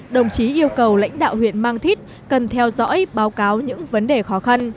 đồng chí yêu cầu lãnh đạo huyện mang thít cần theo dõi báo cáo những vấn đề khó khăn